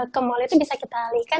ke mall itu bisa kita alihkan